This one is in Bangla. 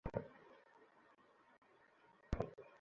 হ্যাঁ, শেরাটনে।